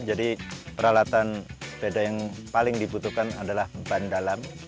jadi peralatan sepeda yang paling dibutuhkan adalah ban dalam